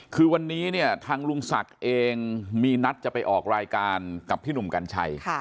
คือวันนี้เนี่ยทางลุงศักดิ์เองมีนัดจะไปออกรายการกับพี่หนุ่มกัญชัย